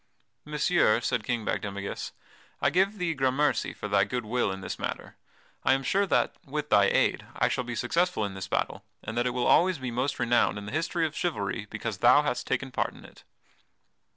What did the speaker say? "Messire," said King Bagdemagus, "I give thee grammercy for thy good will in this matter. I am sure that, with thy aid, I shall be successful in this battle, and that it will always be most renowned in the history of chivalry because thou hast taken part in it."